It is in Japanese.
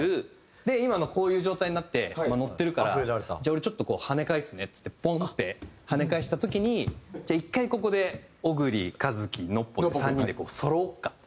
で今のこういう状態になって乗ってるからじゃあ俺ちょっとはね返すねっつってポンッてはね返した時にじゃあ１回ここでＯｇｕｒｉｋａｚｕｋｉＮＯＰＰＯの３人でそろおうかって。